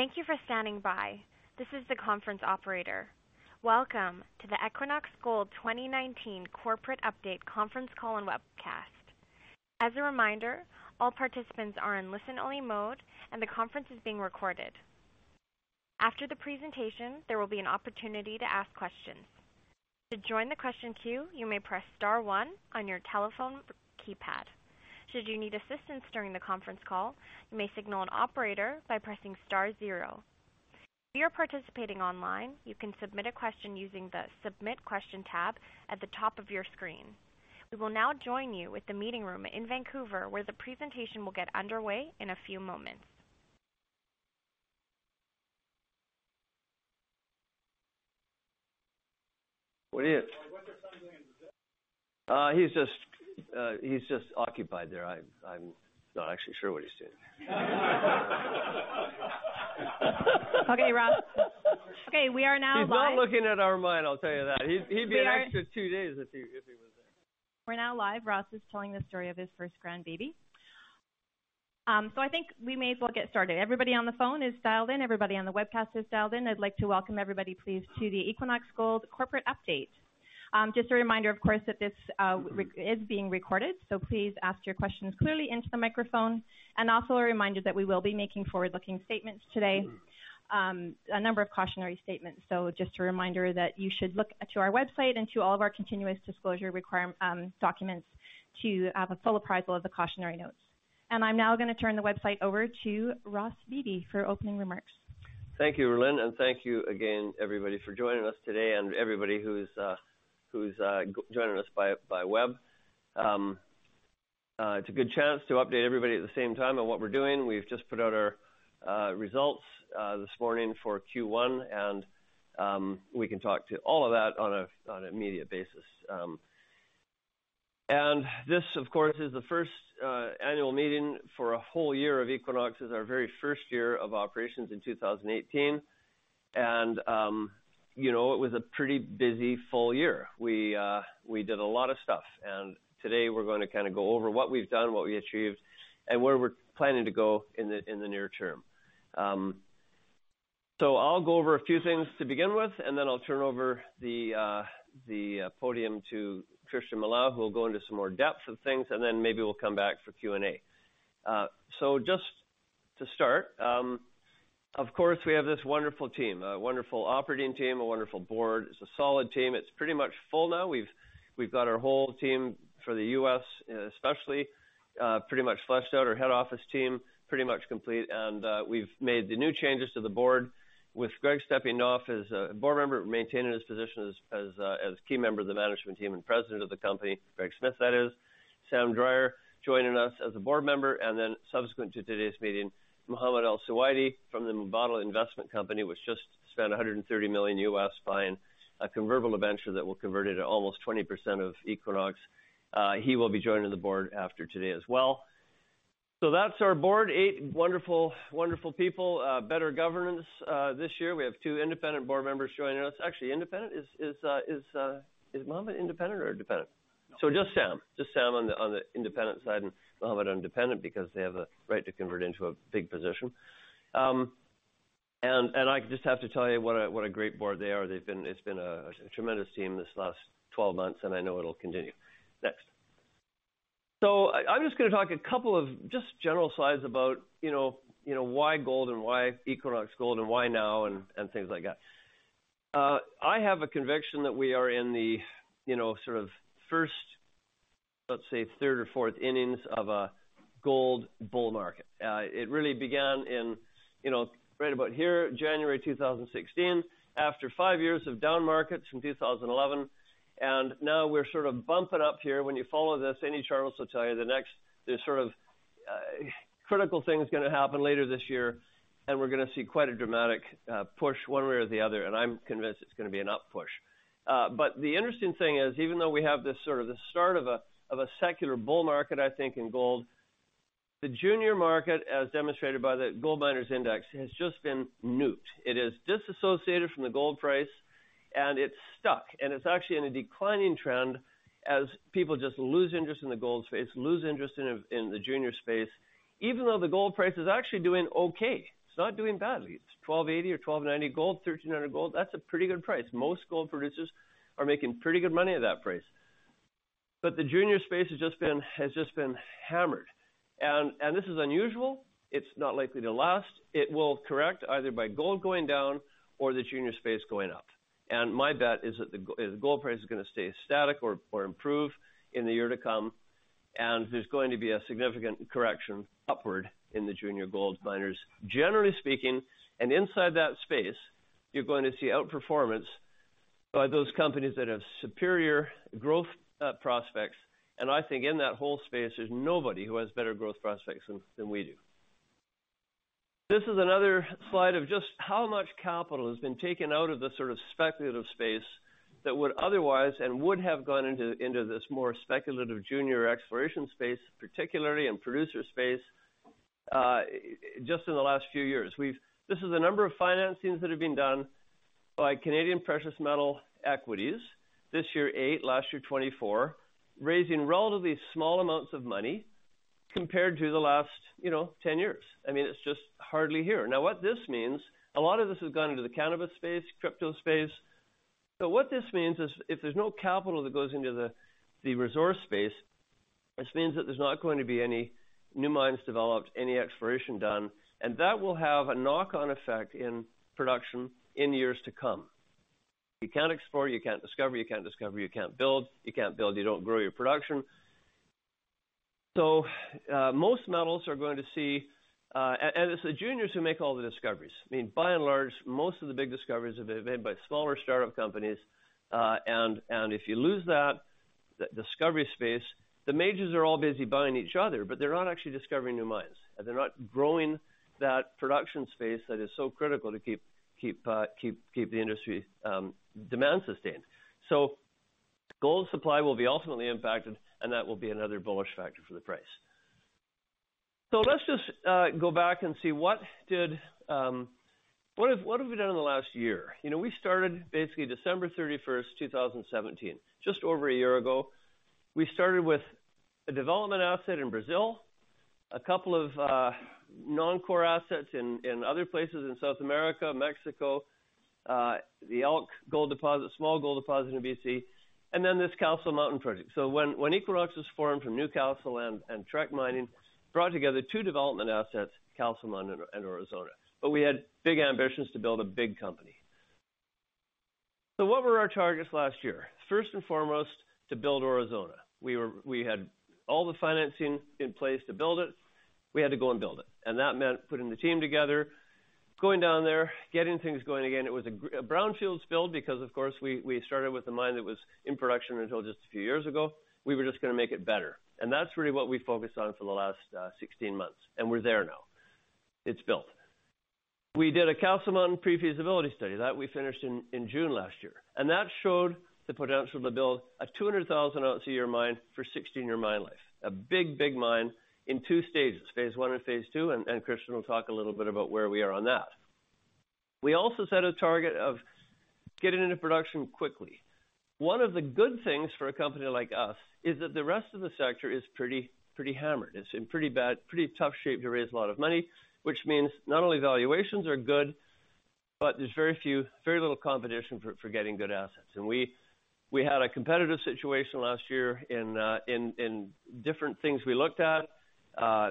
Thank you for standing by. This is the conference operator. Welcome to the Equinox Gold 2019 Corporate Update conference call and webcast. As a reminder, all participants are in listen-only mode, and the conference is being recorded. After the presentation, there will be an opportunity to ask questions. To join the question queue, you may press star one on your telephone keypad. Should you need assistance during the conference call, you may signal an operator by pressing star zero. If you're participating online, you can submit a question using the Submit Question tab at the top of your screen. We will now join you at the meeting room in Vancouver, where the presentation will get underway in a few moments. What is? What's your son doing in Brazil? He's just occupied there. I'm not actually sure what he's doing. Okay, Ross. Okay, we are now live. He's not looking at our mine, I'll tell you that. He'd be We extra two days if he was there. We're now live. Ross is telling the story of his first grandbaby. I think we may as well get started. Everybody on the phone is dialed in, everybody on the webcast is dialed in. I'd like to welcome everybody, please, to the Equinox Gold Corporate Update. Just a reminder, of course, that this is being recorded, so please ask your questions clearly into the microphone. Also a reminder that we will be making forward-looking statements today, a number of cautionary statements. Just a reminder that you should look to our website and to all of our continuous disclosure requirement documents to have a full appraisal of the cautionary notes. I'm now going to turn the website over to Ross Beaty for opening remarks. Thank you, Rhylin, thank you again everybody for joining us today, and everybody who's joining us by web. It's a good chance to update everybody at the same time on what we're doing. We've just put out our results this morning for Q1, we can talk to all of that on an immediate basis. This, of course, is the first annual meeting for a whole year of Equinox. It's our very first year of operations in 2018. It was a pretty busy full year. We did a lot of stuff, today we're going to go over what we've done, what we achieved, and where we're planning to go in the near term. I'll go over a few things to begin with, and then I'll turn over the podium to Christian Milau, who will go into some more depth of things, and then maybe we'll come back for Q&A. Just to start, of course, we have this wonderful team, a wonderful operating team, a wonderful board. It's a solid team. It's pretty much full now. We've got our whole team for the U.S., especially, pretty much fleshed out, our head office team, pretty much complete. We've made the new changes to the board with Greg stepping off as a board member, maintaining his position as key member of the management team and president of the company, Greg Smith, that is. Sam Drier joining us as a board member, subsequent to today's meeting, Mohamed Alsuwaidi from the Mubadala Investment Company, which just spent $130 million buying a convertible debenture that will convert into almost 20% of Equinox. He will be joining the board after today as well. That's our board, eight wonderful people, better governance this year. We have two independent board members joining us. Actually, independent? Is Mohamed independent or dependent? No. Just Sam. Just Sam on the independent side, and Mohamed on dependent because they have a right to convert into a big position. I just have to tell you what a great board they are. It's been a tremendous team this last 12 months, and I know it'll continue. Next. I'm just going to talk a couple of just general slides about why gold and why Equinox Gold and why now and things like that. I have a conviction that we are in the sort of first, let's say third or fourth innings of a gold bull market. It really began in right about here, January 2016, after five years of down markets from 2011. Now we're sort of bumping up here. When you follow this, any chart will tell you the next, the sort of critical thing is going to happen later this year, and we're going to see quite a dramatic push one way or the other, and I'm convinced it's going to be an up push. The interesting thing is, even though we have this sort of the start of a secular bull market, I think, in gold, the junior market, as demonstrated by the Gold Miners Index, has just been muted. It is disassociated from the gold price, and it's stuck. It's actually in a declining trend as people just lose interest in the gold space, lose interest in the junior space, even though the gold price is actually doing okay. It's not doing badly. It's $1,280 or $1,290 gold, $1,300 gold, that's a pretty good price. Most gold producers are making pretty good money at that price. The junior space has just been hammered. This is unusual. It's not likely to last. It will correct either by gold going down or the junior space going up. My bet is that the gold price is going to stay static or improve in the year to come, and there's going to be a significant correction upward in the junior gold miners. Generally speaking, inside that space, you're going to see outperformance by those companies that have superior growth prospects. I think in that whole space, there's nobody who has better growth prospects than we do. This is another slide of just how much capital has been taken out of the sort of speculative space that would otherwise and would have gone into this more speculative junior exploration space, particularly in producer space, just in the last few years. This is the number of financings that have been done by Canadian precious metal equities, this year eight, last year 24, raising relatively small amounts of money compared to the last 10 years. It's just hardly here. What this means, a lot of this has gone into the cannabis space, crypto space. What this means is if there's no capital that goes into the resource space, this means that there's not going to be any new mines developed, any exploration done, and that will have a knock-on effect in production in years to come. If you can't explore, you can't discover. You can't discover, you can't build. You can't build, you don't grow your production. It's the juniors who make all the discoveries. By and large, most of the big discoveries have been made by smaller startup companies. If you lose that discovery space, the majors are all busy buying each other, but they're not actually discovering new mines. They're not growing that production space that is so critical to keep the industry demand sustained. Gold supply will be ultimately impacted, and that will be another bullish factor for the price. Let's just go back and see, what have we done in the last year? We started basically December 31st, 2017, just over a year ago. We started with a development asset in Brazil, a couple of non-core assets in other places in South America, Mexico, the Elk Gold deposit, a small gold deposit in B.C., and then this Castle Mountain project. When Equinox was formed from NewCastle Gold and Trek Mining, it brought together two development assets, Castle Mountain and Aurizona. We had big ambitions to build a big company. What were our targets last year? First and foremost, to build Aurizona. We had all the financing in place to build it. We had to go and build it. That meant putting the team together, going down there, getting things going again. It was a brownfields build because, of course, we started with a mine that was in production until just a few years ago. We were just going to make it better. That's really what we focused on for the last 16 months, and we're there now. It's built. We did a Castle Mountain Pre-Feasibility Study. That, we finished in June last year. That showed the potential to build a 200,000-ounce a year mine for a 16-year mine life. A big, big mine in 2 stages, phase 1 and phase 2, and Christian will talk a little bit about where we are on that. We also set a target of getting into production quickly. One of the good things for a company like us is that the rest of the sector is pretty hammered. It's in pretty tough shape to raise a lot of money, which means not only valuations are good, but there's very little competition for getting good assets. We had a competitive situation last year in different things we looked at. A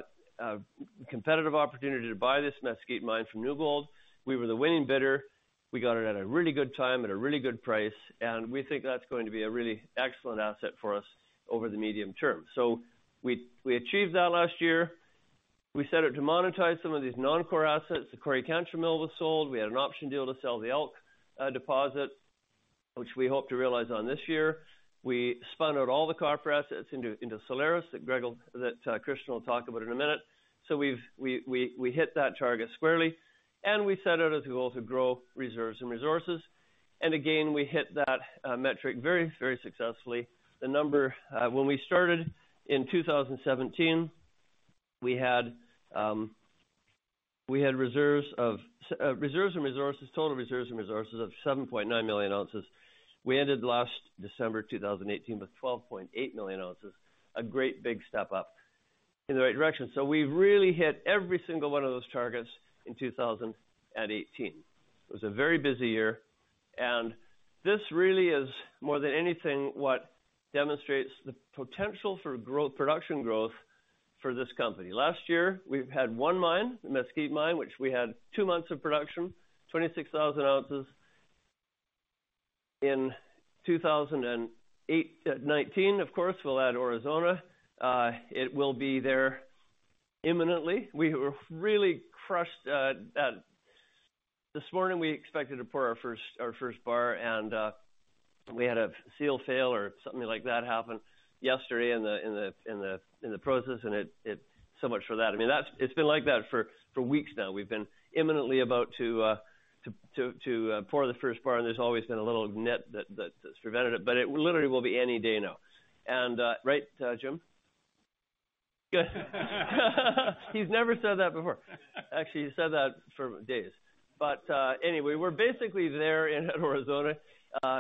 competitive opportunity to buy this Mesquite mine from New Gold. We were the winning bidder. We got it at a really good time, at a really good price, and we think that's going to be a really excellent asset for us over the medium term. We achieved that last year. We set out to monetize some of these non-core assets. The Quarry Country mill was sold. We had an option deal to sell the Elk deposit, which we hope to realize on this year. We spun out all the copper assets into Solaris, that Christian will talk about in a minute. We hit that target squarely, and we set out a goal to grow reserves and resources. Again, we hit that metric very, very successfully. When we started in 2017, we had total reserves and resources of 7.9 million ounces. We ended last December 2018 with 12.8 million ounces, a great big step up in the right direction. We really hit every single one of those targets in 2018. It was a very busy year, and this really is, more than anything, what demonstrates the potential for production growth for this company. Last year, we've had one mine, the Mesquite mine, which we had 2 months of production, 26,000 ounces. In 2019, of course, we'll add Aurizona. It will be there imminently. This morning, we expected to pour our first bar, and we had a seal fail or something like that happen yesterday in the process, and so much for that. It's been like that for weeks now. We've been imminently about to pour the first bar, and there's always been a little nit that's prevented it. But it literally will be any day now. Right, Jim? He's never said that before. Actually, he said that for days. Anyway, we're basically there in Aurizona.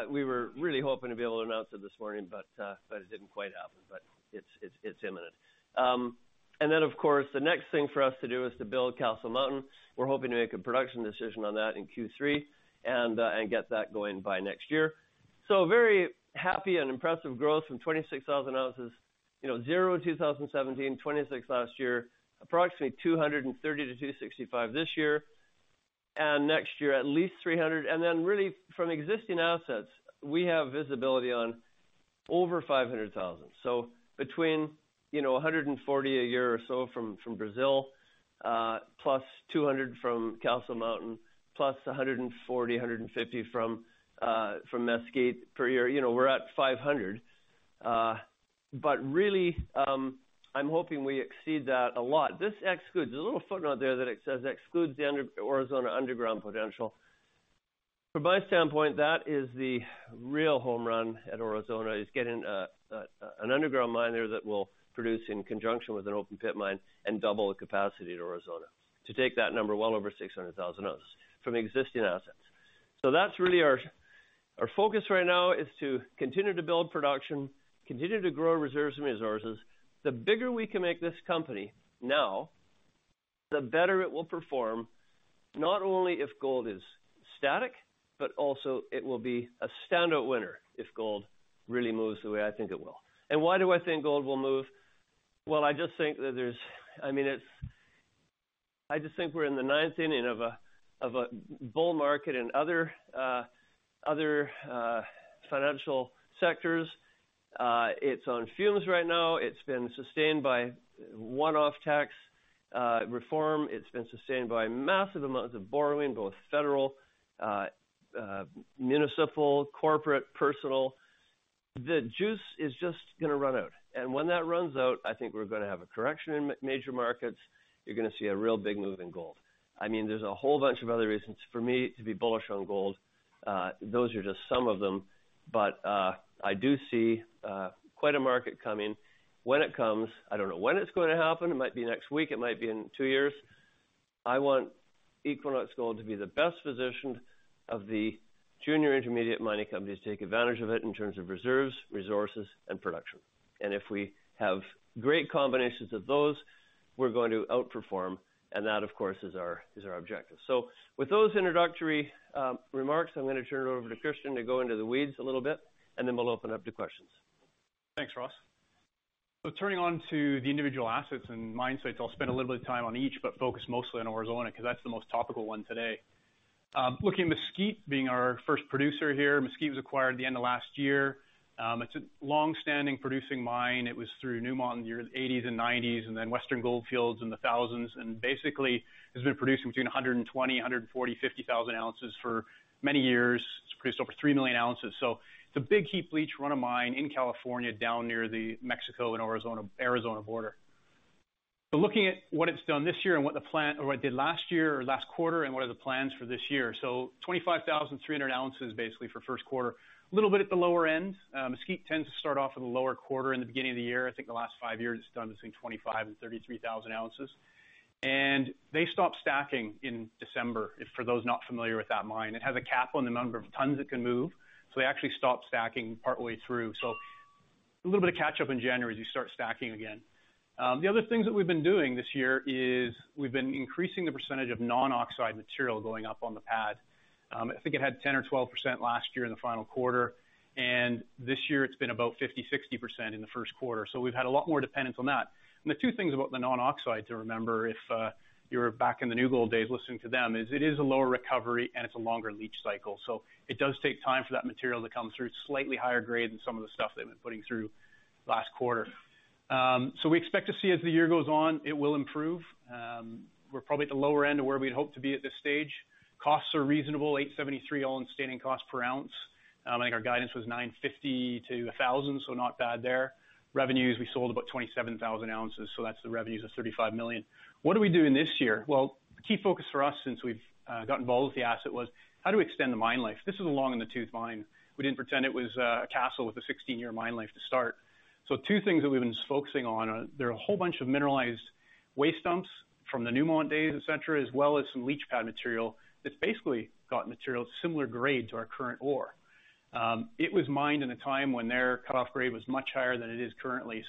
We were really hoping to be able to announce it this morning, but it didn't quite happen. It's imminent. Then, of course, the next thing for us to do is to build Castle Mountain. We're hoping to make a production decision on that in Q3 and get that going by next year. Very happy and impressive growth from 26,000 ounces, zero in 2017, 26 last year, approximately 230 to 265 this year, and next year, at least 300. Then really from existing assets, we have visibility on over 500,000. So between 140 a year or so from Brazil, plus 200 from Castle Mountain, plus 140, 150 from Mesquite per year, we're at 500. But really, I'm hoping we exceed that a lot. This excludes, there's a little footnote there that it says excludes the Aurizona underground potential. From my standpoint, that is the real home run at Aurizona, is getting an underground mine there that will produce in conjunction with an open-pit mine and double the capacity to Aurizona to take that number well over 600,000 ounces from existing assets. That's really Our focus right now is to continue to build production, continue to grow reserves and resources. The bigger we can make this company now, the better it will perform, not only if gold is static, but also it will be a standout winner if gold really moves the way I think it will. Why do I think gold will move? I just think we're in the ninth inning of a bull market in other financial sectors. It's on fumes right now. It's been sustained by one-off tax reform. It's been sustained by massive amounts of borrowing, both federal, municipal, corporate, personal. The juice is just going to run out. When that runs out, I think we're going to have a correction in major markets. You're going to see a real big move in gold. There's a whole bunch of other reasons for me to be bullish on gold. Those are just some of them. I do see quite a market coming. When it comes, I don't know when it's going to happen. It might be next week. It might be in two years. I want Equinox Gold to be the best positioned of the junior intermediate mining companies to take advantage of it in terms of reserves, resources, and production. If we have great combinations of those, we're going to outperform, and that, of course, is our objective. With those introductory remarks, I'm going to turn it over to Christian to go into the weeds a little bit, and then we'll open up to questions. Thanks, Ross. Turning on to the individual assets and mine sites, I'll spend a little bit of time on each, but focus mostly on Aurizona, because that's the most topical one today. Looking at Mesquite being our first producer here. Mesquite was acquired at the end of last year. It's a longstanding producing mine. It was through Newmont in the years '80s and '90s, and then Western Goldfields in the thousands. Basically, it's been producing between 120,000, 140,000, 150,000 ounces for many years. It's produced over three million ounces. It's a big heap leach run of mine in California down near the Mexico and Arizona border. Looking at what it's done this year and what the plan, or what it did last year or last quarter, and what are the plans for this year. 25,300 ounces, basically, for the first quarter. A little bit at the lower end. Mesquite tends to start off in the lower quarter in the beginning of the year. I think the last five years, it's done between 25,000 and 33,000 ounces. They stopped stacking in December, for those not familiar with that mine. It has a cap on the number of tons it can move. They actually stopped stacking partway through. A little bit of catch up in January as you start stacking again. The other things that we've been doing this year is we've been increasing the percentage of non-oxide material going up on the pad. I think it had 10% or 12% last year in the final quarter, and this year it's been about 50%, 60% in the first quarter. We've had a lot more dependence on that. The two things about the non-oxide to remember if you were back in the New Gold days listening to them is, it is a lower recovery and it's a longer leach cycle. It does take time for that material to come through slightly higher grade than some of the stuff they've been putting through last quarter. We expect to see as the year goes on, it will improve. We're probably at the lower end of where we'd hope to be at this stage. Costs are reasonable, $873 all-in sustaining cost per ounce. I think our guidance was $950-$1,000, not bad there. Revenues, we sold about 27,000 ounces, that's the revenues of $35 million. What are we doing this year? Well, the key focus for us since we've gotten involved with the asset was, how do we extend the mine life? This is a long in the tooth mine. We didn't pretend it was a Castle Mountain with a 16-year mine life to start. Two things that we've been focusing on are there are a whole bunch of mineralized waste dumps from the Newmont days, et cetera, as well as some leach pad material that's basically got material similar grade to our current ore. It was mined in a time when their cutoff grade was much higher than it is currently.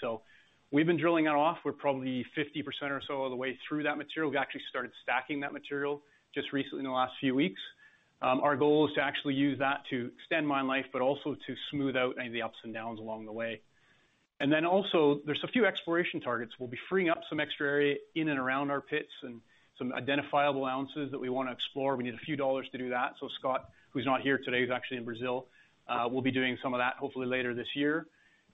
We've been drilling that off. We're probably 50% or so of the way through that material. We've actually started stacking that material just recently in the last few weeks. Our goal is to actually use that to extend mine life, but also to smooth out any of the ups and downs along the way. Also, there's a few exploration targets. We'll be freeing up some extra area in and around our pits and some identifiable ounces that we want to explore. We need a few dollars to do that. Scott, who's not here today, who's actually in Brazil, will be doing some of that hopefully later this year.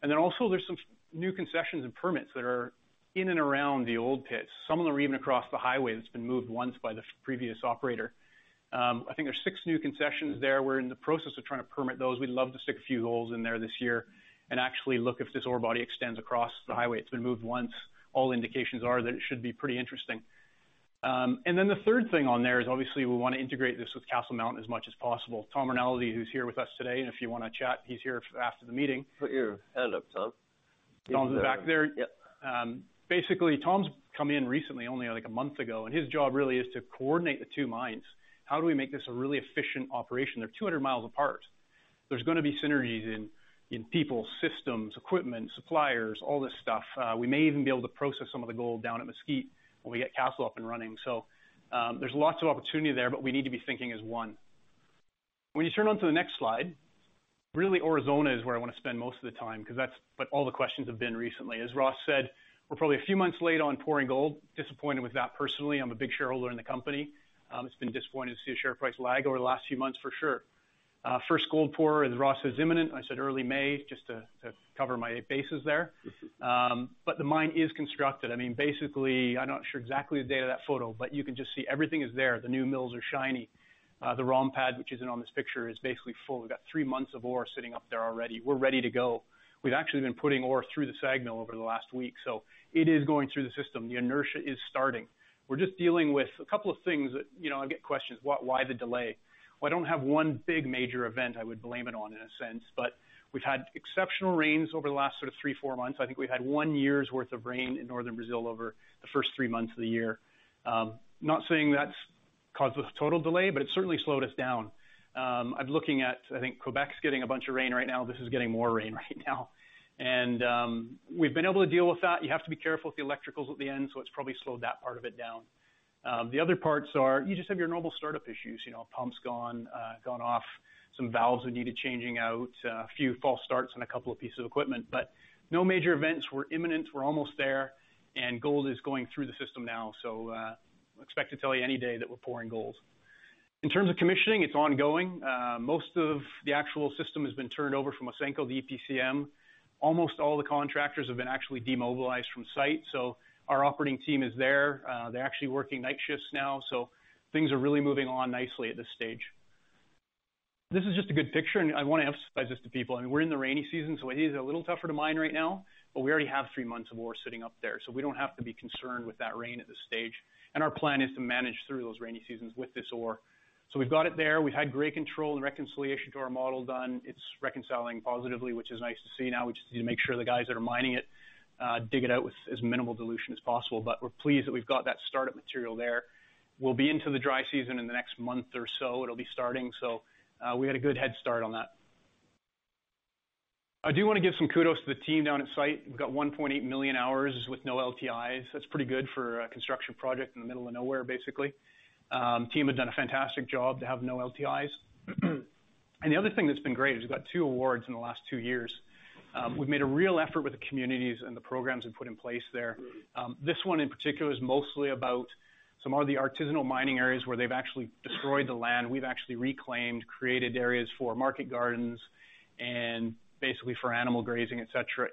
Also, there's some new concessions and permits that are in and around the old pits. Some of them are even across the highway that's been moved once by the previous operator. I think there are six new concessions there. We're in the process of trying to permit those. We'd love to stick a few holes in there this year and actually look if this ore body extends across the highway. It's been moved once. All indications are that it should be pretty interesting. The third thing on there is obviously we want to integrate this with Castle Mountain as much as possible. Tom Rinaldi, who's here with us today, and if you want to chat, he's here after the meeting. Put your hand up, Tom. Tom's in the back there. Yep. Basically, Tom's come in recently, only like a month ago, and his job really is to coordinate the two mines. How do we make this a really efficient operation? They're 200 miles apart. There's going to be synergies in people, systems, equipment, suppliers, all this stuff. We may even be able to process some of the gold down at Mesquite when we get Castle up and running. There's lots of opportunity there, but we need to be thinking as one. When you turn onto the next slide, really Aurizona is where I want to spend most of the time, because that's what all the questions have been recently. As Ross said, we're probably a few months late on pouring gold. Disappointed with that personally. I'm a big shareholder in the company. It's been disappointing to see a share price lag over the last few months for sure. First gold pour, as Ross says, imminent. I said early May, just to cover my bases there. The mine is constructed. Basically, I'm not sure exactly the date of that photo, but you can just see everything is there. The new mills are shiny. The ROM pad, which isn't on this picture, is basically full. We've got three months of ore sitting up there already. We're ready to go. We've actually been putting ore through the SAG mill over the last week, so it is going through the system. The inertia is starting. We're just dealing with a couple of things that, I get questions, why the delay? Well, I don't have one big major event I would blame it on, in a sense, but we've had exceptional rains over the last sort of three, four months. I think we've had one year's worth of rain in Northern Brazil over the first three months of the year. I'm not saying that's caused us total delay, but it certainly slowed us down. I'm looking at, I think Quebec's getting a bunch of rain right now. This is getting more rain right now, and we've been able to deal with that. You have to be careful with the electricals at the end, so it's probably slowed that part of it down. The other parts are, you just have your normal startup issues. Pumps gone off, some valves that needed changing out, a few false starts on a couple of pieces of equipment, but no major events were imminent. We're almost there, and gold is going through the system now. Expect to tell you any day that we're pouring gold. In terms of commissioning, it's ongoing. Most of the actual system has been turned over from Ausenco, the EPCM. Almost all the contractors have been actually demobilized from site. Our operating team is there. They're actually working night shifts now, so things are really moving along nicely at this stage. This is just a good picture, and I want to emphasize this to people. We're in the rainy season, so it is a little tougher to mine right now, but we already have three months of ore sitting up there, so we don't have to be concerned with that rain at this stage. Our plan is to manage through those rainy seasons with this ore. We've got it there. We've had grade control and reconciliation to our model done. It's reconciling positively, which is nice to see. Now we just need to make sure the guys that are mining it dig it out with as minimal dilution as possible. We're pleased that we've got that startup material there. We'll be into the dry season in the next month or so. It'll be starting. We had a good head start on that. I do want to give some kudos to the team down at site. We've got 1.8 million hours with no LTIs. That's pretty good for a construction project in the middle of nowhere, basically. Team have done a fantastic job to have no LTIs. The other thing that's been great is we've got two awards in the last two years. We've made a real effort with the communities and the programs we've put in place there. This one in particular is mostly about some of the artisanal mining areas where they've actually destroyed the land. We've actually reclaimed, created areas for market gardens and basically for animal grazing, et cetera.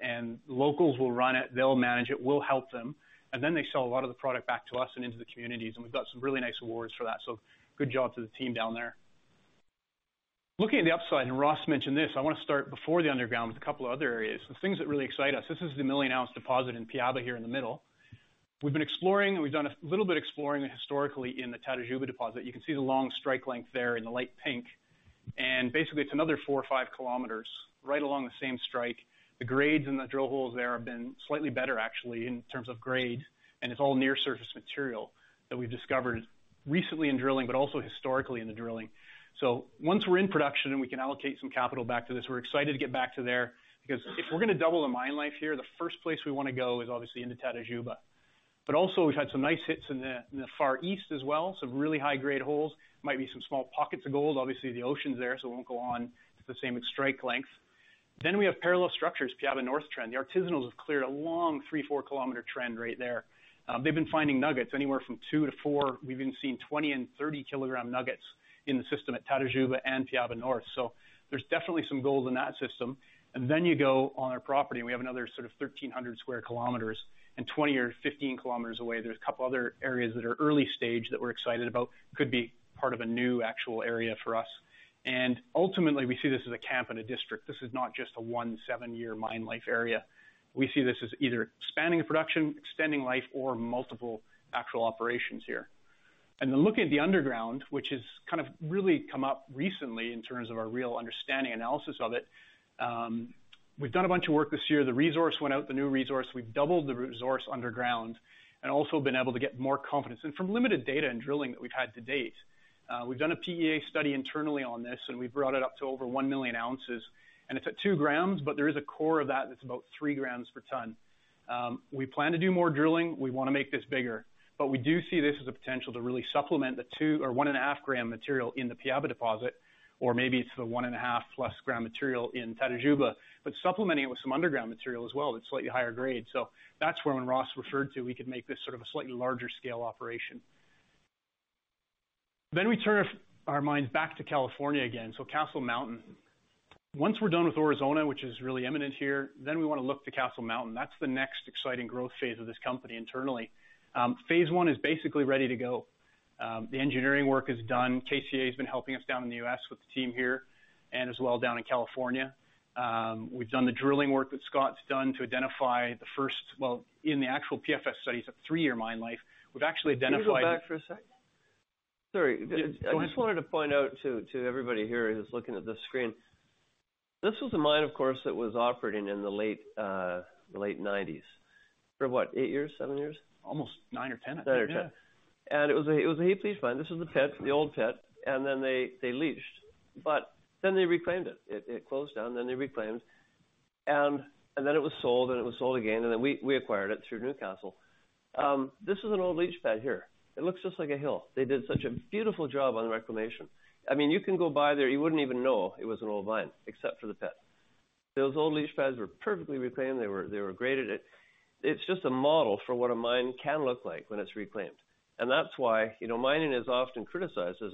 Locals will run it, they'll manage it, we'll help them. Then they sell a lot of the product back to us and into the communities. We've got some really nice awards for that. Good job to the team down there. Looking at the upside, and Ross mentioned this, I want to start before the underground with a couple of other areas. The things that really excite us. This is the million-ounce deposit in Piaba here in the middle. We've been exploring, and we've done a little bit of exploring historically in the Tatajuba deposit. You can see the long strike length there in the light pink, and basically it's another four or five kilometers right along the same strike. The grades in the drill holes there have been slightly better actually in terms of grades, and it's all near-surface material that we've discovered recently in drilling, but also historically in the drilling. Once we're in production and we can allocate some capital back to this, we're excited to get back to there, because if we're going to double the mine life here, the first place we want to go is obviously into Tatajuba. Also, we've had some nice hits in the far east as well. Some really high-grade holes. Might be some small pockets of gold. Obviously, the ocean's there, so it won't go on the same strike length. We have parallel structures, Piaba North trend. The artisanals have cleared a long three, four-kilometer trend right there. They've been finding nuggets anywhere from two to four. We've even seen 20 and 30-kilogram nuggets in the system at Tatajuba and Piaba North. There's definitely some gold in that system. You go on our property, and we have another sort of 1,300 sq km, and 20 or 15 km away, there's a couple other areas that are early stage that we're excited about. Could be part of a new actual area for us. Ultimately, we see this as a camp and a district. This is not just a one seven-year mine life area. We see this as either spanning a production, extending life, or multiple actual operations here. Looking at the underground, which has kind of really come up recently in terms of our real understanding, analysis of it. We've done a bunch of work this year. The resource went out, the new resource. We've doubled the resource underground and also been able to get more confidence. From limited data and drilling that we've had to date, we've done a PEA study internally on this, and we've brought it up to over 1 million ounces, and it's at two grams, but there is a core of that that's about three grams per tonne. We plan to do more drilling. We want to make this bigger. We do see this as a potential to really supplement the two or one and a half gram material in the Piaba deposit or maybe it's the one and a half plus gram material in Tatajuba, but supplementing it with some underground material as well, that's slightly higher grade. That's where when Ross referred to, we could make this sort of a slightly larger scale operation. We turn our minds back to California again, Castle Mountain. Once we're done with Aurizona, which is really imminent here, we want to look to Castle Mountain. That's the next exciting growth phase of this company internally. Phase 1 is basically ready to go. The engineering work is done. KCA has been helping us down in the U.S. with the team here and as well down in California. We've done the drilling work that Scott's done to identify the first, well, in the actual PFS studies, a three-year mine life. We've actually identified- Can you go back for a sec? Sorry. Go ahead. I just wanted to point out to everybody here who's looking at this screen, this was a mine, of course, that was operating in the late '90s. For what, eight years, seven years? Almost nine or 10, I think, yeah. Nine or 10. It was a heap leach mine. This was the pit, the old pit, they leached, they reclaimed it. It closed down, they reclaimed. It was sold, it was sold again, we acquired it through NewCastle Gold. This is an old leach pad here. It looks just like a hill. They did such a beautiful job on the reclamation. You can go by there, you wouldn't even know it was an old mine except for the pit. Those old leach pads were perfectly reclaimed. They were graded. It's just a model for what a mine can look like when it's reclaimed. That's why mining is often criticized as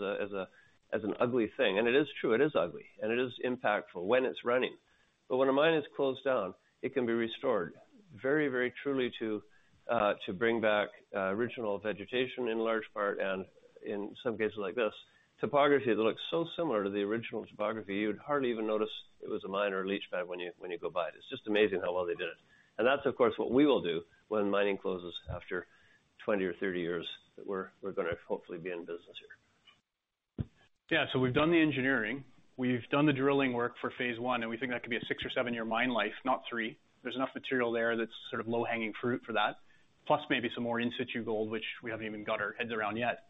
an ugly thing. It is true, it is ugly, it is impactful when it's running. When a mine is closed down, it can be restored very, very truly to bring back original vegetation in large part, and in some cases like this, topography that looks so similar to the original topography, you'd hardly even notice it was a mine or a leach pad when you go by it. It's just amazing how well they did it. That's, of course, what we will do when mining closes after 20 or 30 years that we're going to hopefully be in business here. We've done the engineering. We've done the drilling work for phase 1, and we think that could be a six or seven-year mine life, not three. There's enough material there that's sort of low-hanging fruit for that. Maybe some more in-situ gold, which we haven't even got our heads around yet.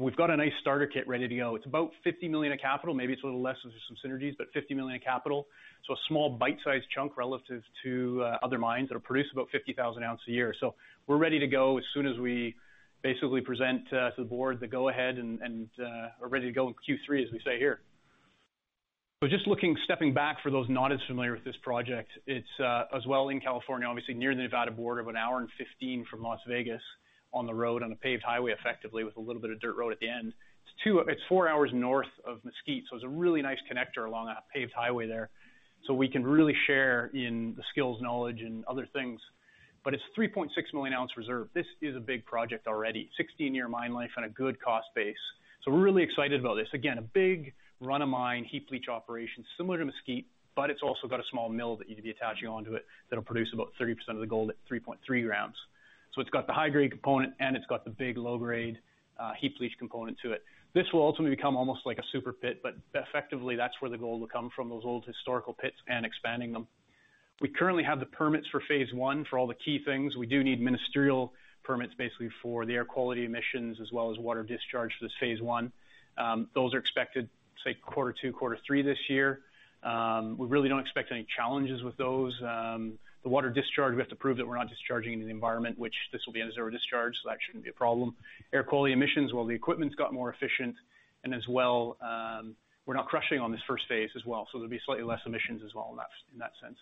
We've got a nice starter kit ready to go. It's about $50 million of capital, maybe it's a little less with some synergies, but $50 million of capital. A small bite-sized chunk relative to other mines that will produce about 50,000 ounce a year. We're ready to go as soon as we basically present to the board the go ahead and are ready to go in Q3, as we say here. Just looking, stepping back for those not as familiar with this project, it's as well in California, obviously near the Nevada border of an hour and 15 from Las Vegas on the road, on a paved highway, effectively, with a little bit of dirt road at the end. It's 4 hours North of Mesquite, it's a really nice connector along a paved highway there. We can really share in the skills, knowledge, and other things. It's 3.6 million ounce reserve. This is a big project already, 16-year mine life and a good cost base. We're really excited about this. Again, a big run of mine heap leach operation, similar to Mesquite, but it's also got a small mill that you'd be attaching onto it that'll produce about 30% of the gold at 3.3 grams. It's got the high-grade component, and it's got the big low-grade, heap leach component to it. This will ultimately become almost like a super pit, but effectively that's where the gold will come from, those old historical pits and expanding them. We currently have the permits for phase 1 for all the key things. We do need ministerial permits, basically, for the air quality emissions as well as water discharge for this phase 1. Those are expected, say, Q2, Q3 this year. We really don't expect any challenges with those. The water discharge, we have to prove that we're not discharging into the environment, which this will be a zero discharge, that shouldn't be a problem. Air quality emissions, well, the equipment's got more efficient, and as well, we're not crushing on this first phase as well, so there'll be slightly less emissions as well in that sense.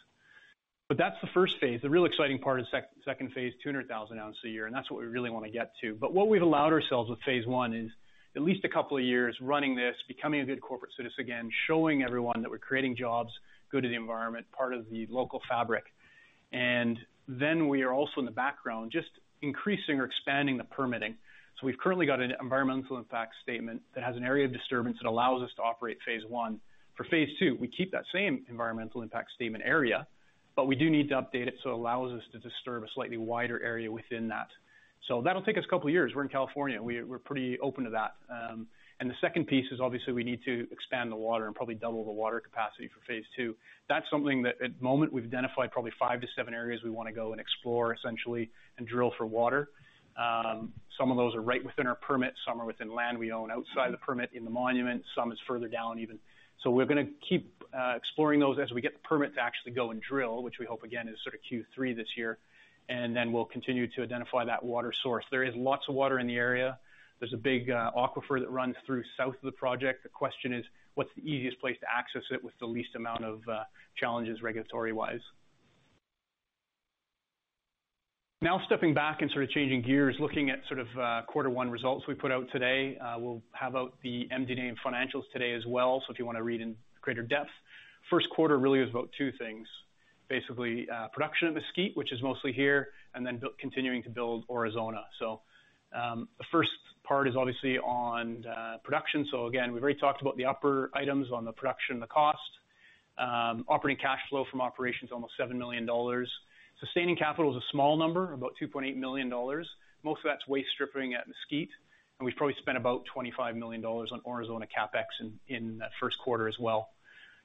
That's the first phase. The real exciting part is phase 2, 200,000 ounce a year, and that's what we really want to get to. What we've allowed ourselves with phase 1 is at least a couple of years running this, becoming a good corporate citizen again, showing everyone that we're creating jobs, good to the environment, part of the local fabric. Then we are also in the background, just increasing or expanding the permitting. So we've currently got an Environmental Impact Statement that has an area of disturbance that allows us to operate phase 1. For phase 2, we keep that same Environmental Impact Statement area, we do need to update it so it allows us to disturb a slightly wider area within that. That'll take us a couple of years. We're in California. We're pretty open to that. The second piece is obviously we need to expand the water and probably double the water capacity for phase 2. That's something that at the moment we've identified probably five to seven areas we want to go and explore, essentially, and drill for water. Some of those are right within our permit, some are within land we own outside the permit in the monument. Some is further down, even. We're going to keep exploring those as we get the permit to actually go and drill, which we hope, again, is Q3 this year, and then we'll continue to identify that water source. There is lots of water in the area. There's a big aquifer that runs through south of the project. The question is, what's the easiest place to access it with the least amount of challenges regulatory-wise? Stepping back and changing gears, looking at quarter one results we put out today. We'll have out the MD&A and financials today as well, if you want to read in greater depth. First quarter really is about two things. Basically, production at Mesquite, which is mostly here, and then continuing to build Aurizona. The first part is obviously on production. Again, we've already talked about the upper items on the production and the cost. Operating cash flow from operations, almost $7 million. Sustaining capital is a small number, about $2.8 million. Most of that's waste stripping at Mesquite, we've probably spent about $25 million on Aurizona CapEx in that first quarter as well.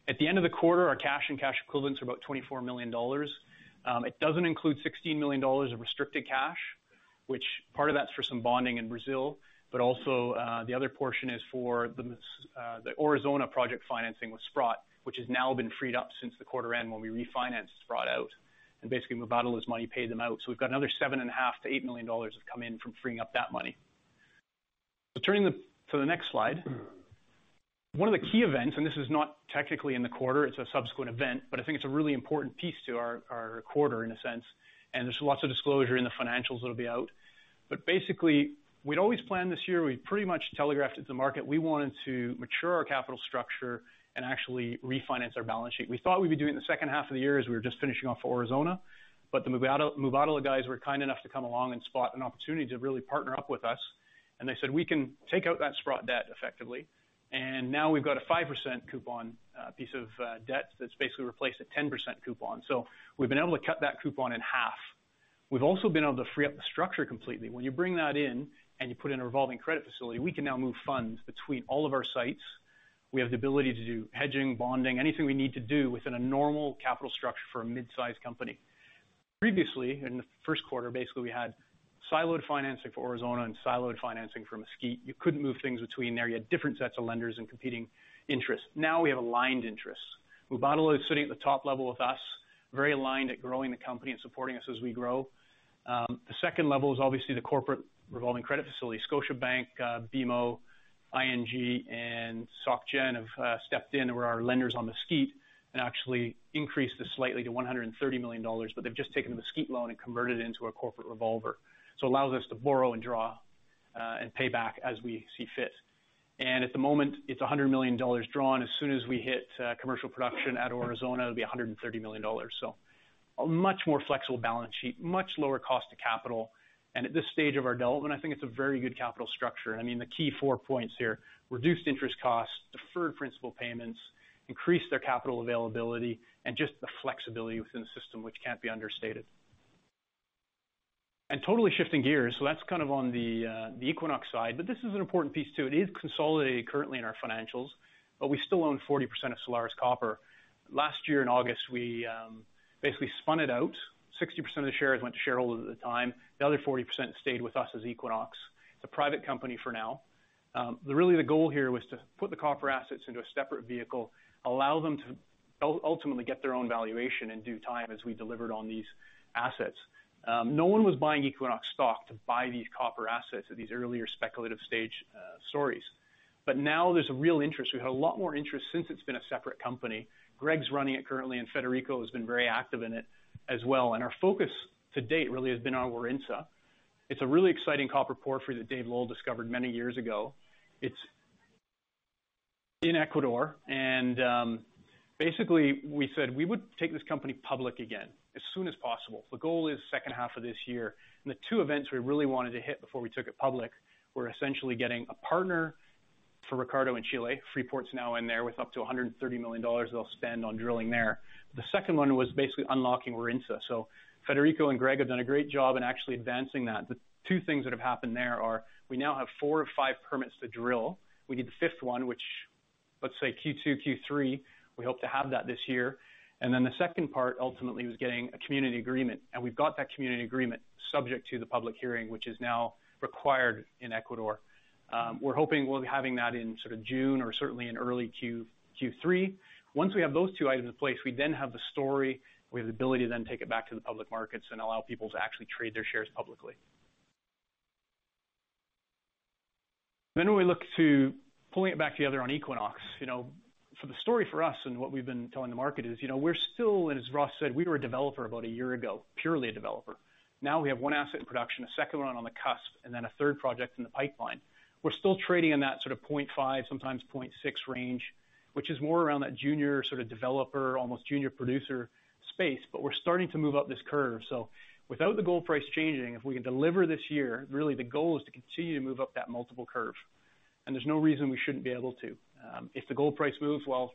At the end of the quarter, our cash and cash equivalents are about $24 million. It doesn't include $16 million of restricted cash, which part of that's for some bonding in Brazil, also, the other portion is for the Aurizona project financing with Sprott, which has now been freed up since the quarter end when we refinanced Sprott out and basically Mubadala's money paid them out. We've got another $7.5 million-$8 million have come in from freeing up that money. Turning to the next slide. One of the key events, this is not technically in the quarter, it's a subsequent event, but I think it's a really important piece to our quarter in a sense, and there's lots of disclosure in the financials that'll be out. Basically, we'd always planned this year, we pretty much telegraphed it to the market. We wanted to mature our capital structure and actually refinance our balance sheet. We thought we'd be doing it in the second half of the year as we were just finishing off Aurizona, but the Mubadala guys were kind enough to come along and spot an opportunity to really partner up with us, and they said we can take out that Sprott debt effectively, and now we've got a 5% coupon piece of debt that's basically replaced a 10% coupon. We've been able to cut that coupon in half. We've also been able to free up the structure completely. When you bring that in and you put in a revolving credit facility, we can now move funds between all of our sites. We have the ability to do hedging, bonding, anything we need to do within a normal capital structure for a mid-size company. Previously, in the first quarter, basically, we had siloed financing for Aurizona and siloed financing for Mesquite. You couldn't move things between there. You had different sets of lenders and competing interests. Now we have aligned interests. Mubadala is sitting at the top level with us, very aligned at growing the company and supporting us as we grow. The second level is obviously the corporate revolving credit facility. Scotiabank, BMO, ING, and Soc Gen have stepped in and were our lenders on Mesquite, and actually increased this slightly to $130 million, but they've just taken the Mesquite loan and converted it into a corporate revolver. It allows us to borrow and draw, and pay back as we see fit. At the moment, it's $100 million drawn. As soon as we hit commercial production at Aurizona, it'll be $130 million. A much more flexible balance sheet, much lower cost of capital, and at this stage of our development, I think it's a very good capital structure. The key four points here, reduced interest costs, deferred principal payments, increased their capital availability, and just the flexibility within the system, which can't be understated. Totally shifting gears. That's on the Equinox side, this is an important piece, too. It is consolidated currently in our financials, but we still own 40% of Solaris Copper. Last year in August, we basically spun it out, 60% of the shares went to shareholders at the time, the other 40% stayed with us as Equinox. It's a private company for now. Really the goal here was to put the copper assets into a separate vehicle, allow them to ultimately get their own valuation in due time as we delivered on these assets. No one was buying Equinox stock to buy these copper assets at these earlier speculative stage stories. Now there's a real interest. We've had a lot more interest since it's been a separate company. Greg's running it currently, and Federico has been very active in it as well. Our focus to date really has been on Aurizona. It's a really exciting copper porphyry that Dave Lowell discovered many years ago. It's in Ecuador. Basically we said we would take this company public again as soon as possible. The goal is the second half of this year. The two events we really wanted to hit before we took it public, were essentially getting a partner for Ricardeo in Chile. Freeport's now in there with up to $130 million they'll spend on drilling there. The second one was basically unlocking Aurizona. Federico and Greg have done a great job in actually advancing that. The two things that have happened there are we now have four of five permits to drill. We need the fifth one, which let's say Q2, Q3, we hope to have that this year. The second part ultimately was getting a community agreement. We've got that community agreement subject to the public hearing, which is now required in Ecuador. We're hoping we'll be having that in June or certainly in early Q3. Once we have those two items in place, we then have the story. We have the ability to then take it back to the public markets and allow people to actually trade their shares publicly. When we look to pulling it back together on Equinox. For the story for us and what we've been telling the market is, we're still, as Ross said, we were a developer about a year ago, purely a developer. Now we have one asset in production, a second one on the cusp, and then a third project in the pipeline. We're still trading in that sort of .5, sometimes .6 range, which is more around that junior developer, almost junior producer space, but we're starting to move up this curve. Without the gold price changing, if we can deliver this year, really the goal is to continue to move up that multiple curve. There's no reason we shouldn't be able to. If the gold price moves, well,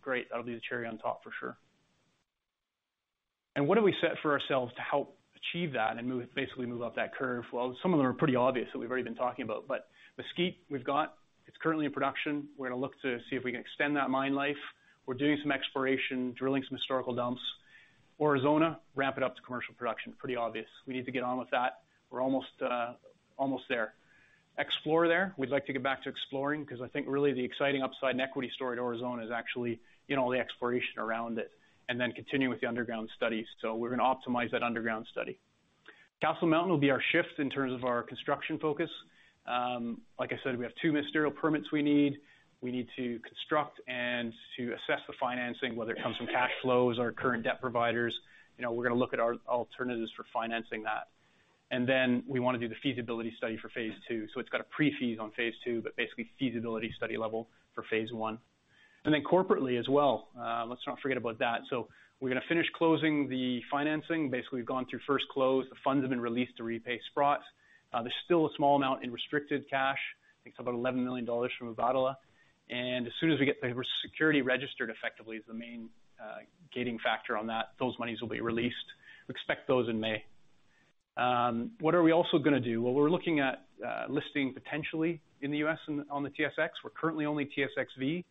great, that'll be the cherry on top for sure. What have we set for ourselves to help achieve that and basically move up that curve? Well, some of them are pretty obvious that we've already been talking about, but Mesquite we've got. It's currently in production. We're going to look to see if we can extend that mine life. We're doing some exploration, drilling some historical dumps. Aurizona. Ramp it up to commercial production, pretty obvious. We need to get on with that. We're almost there. Explore there. We'd like to get back to exploring because I think really the exciting upside and equity story at Aurizona is actually all the exploration around it, then continue with the underground studies. We're going to optimize that underground study. Castle Mountain will be our shift in terms of our construction focus. Like I said, we have two ministerial permits we need. We need to construct and to assess the financing, whether it comes from cash flows or current debt providers. We're going to look at our alternatives for financing that. We want to do the feasibility study for phase II. It's got a pre-feas on phase II, but basically feasibility study level for phase I. Corporately as well. Let's not forget about that. We're going to finish closing the financing. The funds have been released to repay Sprott. There's still a small amount in restricted cash. It's about $11 million from Mubadala, and as soon as we get the security registered effectively is the main gating factor on that, those monies will be released. We expect those in May. What are we also going to do? Well, we're looking at listing potentially in the U.S. on the TSX. We're currently only TSXV.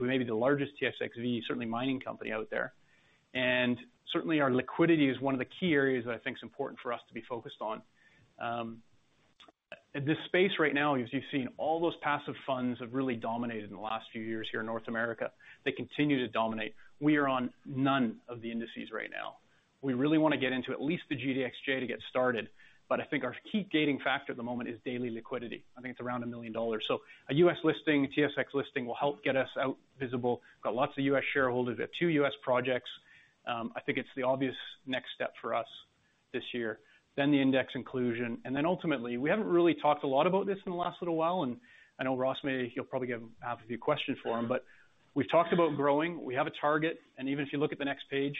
We may be the largest TSXV, certainly mining company out there. Certainly, our liquidity is one of the key areas that is important for us to be focused on. This space right now, as you've seen, all those passive funds have really dominated in the last few years here in North America. They continue to dominate. We are on none of the indices right now. We really want to get into at least the GDXJ to get started, but our key gating factor at the moment is daily liquidity. It's around $1 million. A U.S. listing, a TSX listing will help get us out visible. Got lots of U.S. shareholders. We have two U.S. projects. It's the obvious next step for us this year. The index inclusion, and ultimately, we haven't really talked a lot about this in the last little while, and I know Ross, he'll probably have a few questions for them, but we've talked about growing. We have a target, and even if you look at the next page,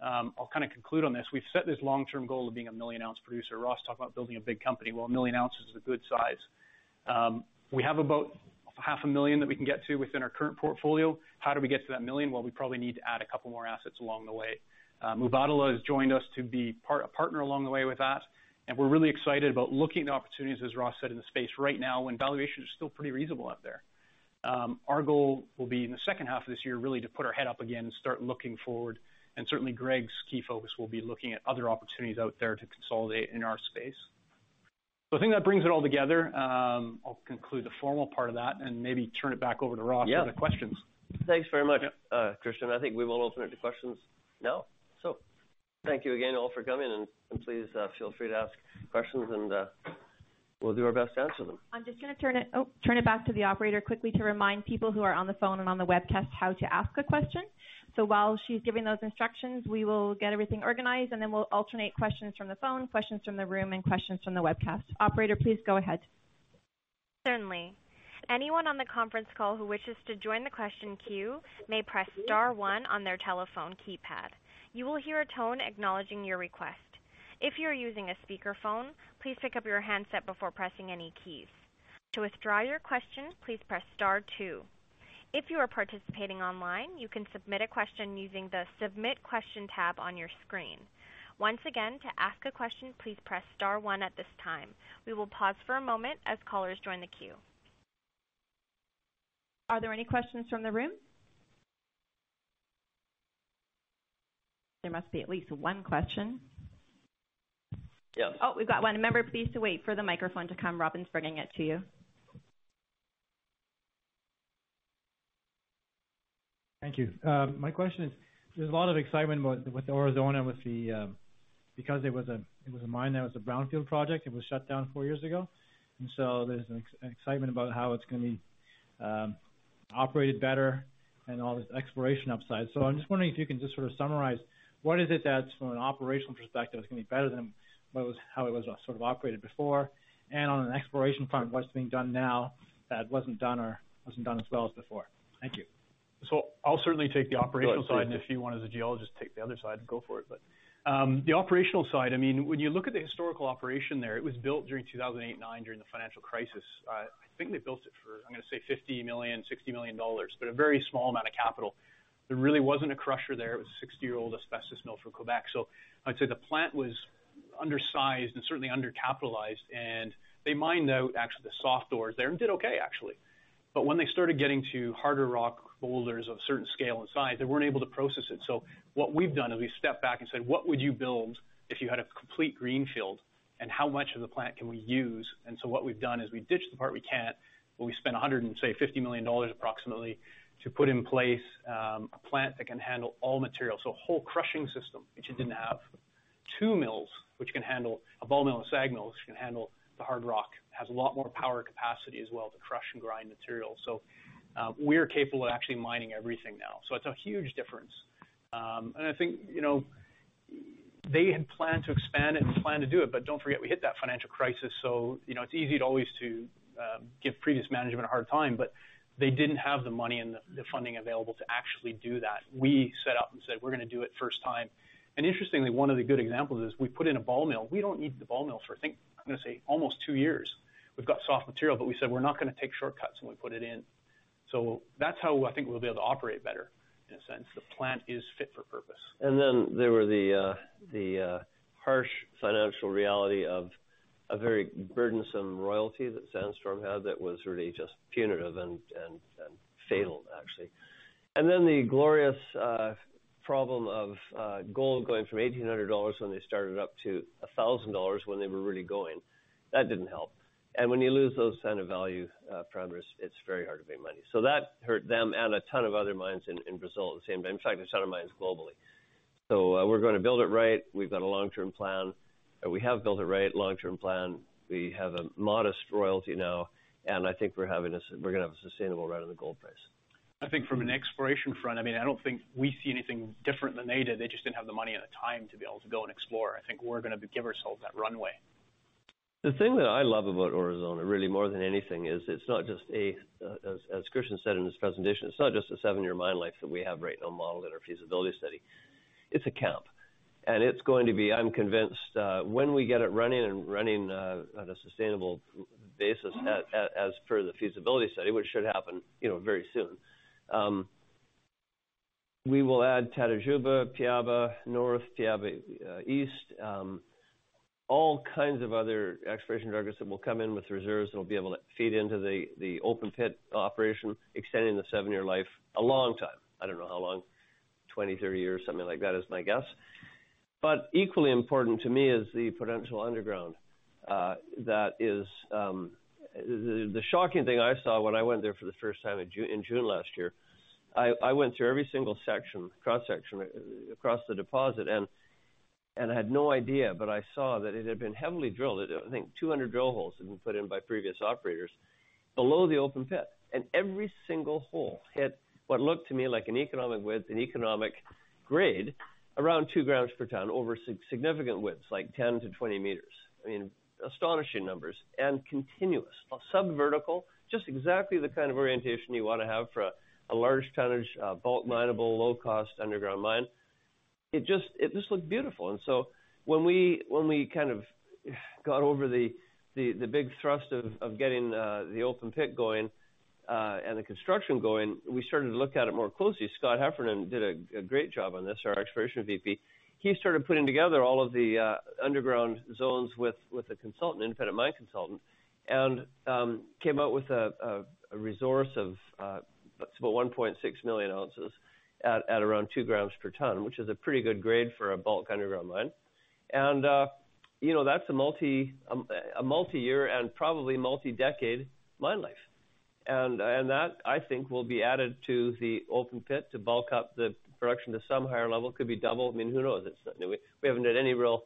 I'll conclude on this. We've set this long-term goal of being a 1 million-ounce producer. Ross talked about building a big company. Well, 1 million ounces is a good size. We have about half a million that we can get to within our current portfolio. How do we get to that 1 million? Well, we probably need to add a couple more assets along the way. Mubadala has joined us to be a partner along the way with that, and we're really excited about looking at opportunities, as Ross said, in the space right now when valuations are still pretty reasonable out there. Our goal will be in the second half of this year, really to put our head up again and start looking forward. Certainly, Greg's key focus will be looking at other opportunities out there to consolidate in our space. That brings it all together. I'll conclude the formal part of that and maybe turn it back over to Ross for the questions. Thanks very much, Christian. We will open it to questions now. Thank you again all for coming, and please feel free to ask questions, and we'll do our best to answer them. I'm just going to turn it back to the operator quickly to remind people who are on the phone and on the webcast how to ask a question. While she's giving those instructions, we will get everything organized, and then we'll alternate questions from the phone, questions from the room, and questions from the webcast. Operator, please go ahead. Certainly. Anyone on the conference call who wishes to join the question queue may press star one on their telephone keypad. You will hear a tone acknowledging your request. If you are using a speakerphone, please pick up your handset before pressing any keys. To withdraw your question, please press star two. If you are participating online, you can submit a question using the Submit Question tab on your screen. Once again, to ask a question, please press star one at this time. We will pause for a moment as callers join the queue. Are there any questions from the room? There must be at least one question. Yes. We've got one. Member, please wait for the microphone to come. Robin's bringing it to you. Thank you. My question is, there's a lot of excitement with Aurizona, because it was a mine that was a brownfield project. It was shut down four years ago, there's an excitement about how it's going to be operated better and all this exploration upside. I'm just wondering if you can just sort of summarize what is it that, from an operational perspective, is going to be better than how it was sort of operated before? On an exploration front, what's being done now that wasn't done or wasn't done as well as before? Thank you. I'll certainly take the operational side, and if you want, as a geologist, take the other side, go for it. The operational side, when you look at the historical operation there, it was built during 2008 and 2009 during the financial crisis. I think they built it for, I'm going to say $50 million, $60 million, but a very small amount of capital. There really wasn't a crusher there. It was a 60-year-old asbestos mill from Quebec. I'd say the plant was undersized and certainly under-capitalized, and they mined out actually the soft ores there and did okay, actually. When they started getting to harder rock boulders of a certain scale and size, they weren't able to process it. What we've done is we've stepped back and said, "What would you build if you had a complete greenfield, and how much of the plant can we use?" What we've done is we ditched the part we can't, but we spent $150 million approximately to put in place a plant that can handle all materials. A whole crushing system, which it didn't have. Two mills, a ball mill and a SAG mill, which can handle the hard rock, has a lot more power capacity as well to crush and grind material. We are capable of actually mining everything now. It's a huge difference. I think they had planned to expand it and planned to do it. Don't forget, we hit that financial crisis, so it's easy to always give previous management a hard time, but they didn't have the money and the funding available to actually do that. We set out and said, "We're going to do it first time." Interestingly, one of the good examples is we put in a ball mill. We don't need the ball mill for, I think, I'm going to say almost two years. We've got soft material, but we said, "We're not going to take shortcuts," and we put it in. That's how I think we'll be able to operate better in a sense. The plant is fit for purpose. There were the harsh financial reality of a very burdensome royalty that Sandstorm had that was really just punitive and fatal, actually. The glorious problem of gold going from $1,800 when they started up to $1,000 when they were really going. That didn't help. When you lose those kind of value parameters, it's very hard to make money. That hurt them and a ton of other mines in Brazil at the same time. In fact, a ton of mines globally. We're going to build it right. We've got a long-term plan. We have built it right, long-term plan. We have a modest royalty now, and I think we're going to have a sustainable run on the gold price. I think from an exploration front, I don't think we see anything different than they did. They just didn't have the money and the time to be able to go and explore. I think we're going to give ourselves that runway. The thing that I love about Aurizona, really more than anything, is it's not just, as Christian said in his presentation, it's not just a seven-year mine life that we have right now modeled in our feasibility study. It's a camp. It's going to be, I'm convinced, when we get it running and running at a sustainable basis as per the feasibility study, which should happen very soon, we will add Itatiuba, Piaba North, Piaba East, all kinds of other exploration targets that will come in with reserves that'll be able to feed into the open-pit operation, extending the seven-year life a long time. I don't know how long. 20, 30 years, something like that is my guess. Equally important to me is the potential underground. The shocking thing I saw when I went there for the first time in June last year, I went through every single section, cross-section across the deposit, and I had no idea, but I saw that it had been heavily drilled. I think 200 drill holes had been put in by previous operators below the open pit, and every single hole had what looked to me like an economic width, an economic grade, around two grams per tonne over significant widths, like 10-20 meters. Astonishing numbers, continuous. Sub-vertical, just exactly the kind of orientation you want to have for a large tonnage, bulk mineable, low-cost underground mine. It just looked beautiful. When we kind of got over the big thrust of getting the open pit going, and the construction going, we started to look at it more closely. Scott Heffernan did a great job on this, our exploration VP. He started putting together all of the underground zones with a consultant, independent mine consultant, and came out with a resource of about 1.6 million ounces at around two grams per tonne, which is a pretty good grade for a bulk underground mine. That's a multi-year and probably multi-decade mine life. That, I think, will be added to the open pit to bulk up the production to some higher level, could be double. Who knows? We haven't done any real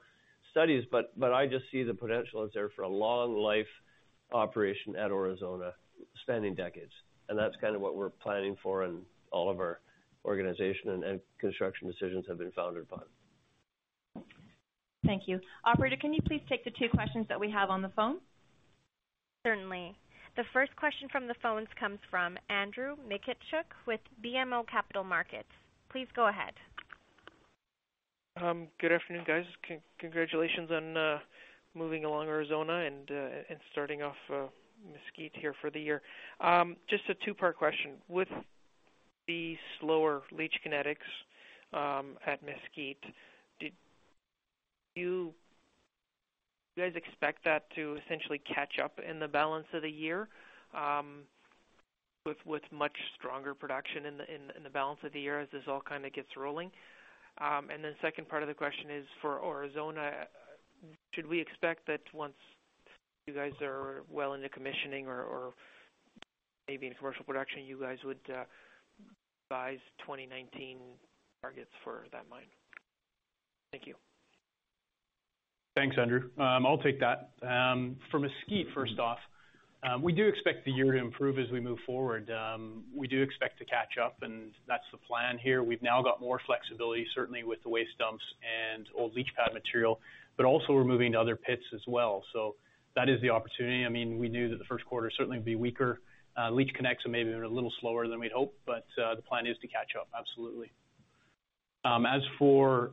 studies, but I just see the potential is there for a long life operation at Aurizona spanning decades, and that's kind of what we're planning for and all of our organization and construction decisions have been founded upon. Thank you. Operator, can you please take the two questions that we have on the phone? Certainly. The first question from the phones comes from Andrew Mikityshyn with BMO Capital Markets. Please go ahead. Good afternoon, guys. Congratulations on moving along Aurizona and starting off Mesquite here for the year. Just a two-part question. With the slower leach kinetics at Mesquite, do you guys expect that to essentially catch up in the balance of the year with much stronger production in the balance of the year as this all gets rolling? The second part of the question is for Aurizona, should we expect that once you guys are well into commissioning or maybe in commercial production, you guys would revise 2019 targets for that mine? Thank you. Thanks, Andrew. I'll take that. For Mesquite, first off, we do expect the year to improve as we move forward. We do expect to catch up, and that's the plan here. We've now got more flexibility, certainly with the waste dumps and old leach pad material, but also we're moving to other pits as well. That is the opportunity. We knew that the first quarter certainly would be weaker. leach kinetics are maybe a little slower than we'd hoped, but the plan is to catch up, absolutely. As for